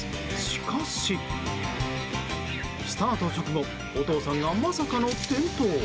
しかし、スタート直後お父さんがまさかの転倒。